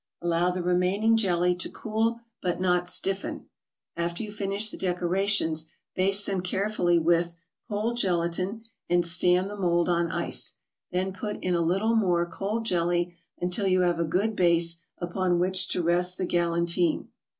Allow the remaining jelly to cool, but not stiffen. After you finish the decorations, baste them carefully with, cold gelatin and stand the mold on ice. Then put in a little more cold jelly, until you have a good base upon which to rest the "galantine."